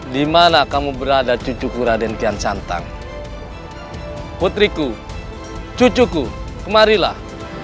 dimana kamu berada cucu kuraden kian santang putriku cucuku kemarilah